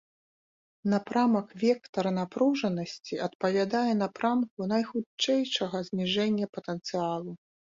Напрамак вектара напружанасці адпавядае напрамку найхутчэйшага зніжэння патэнцыялу.